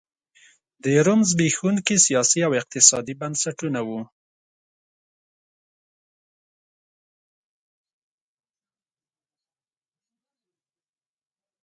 د روم زبېښونکي سیاسي او اقتصادي بنسټونه وو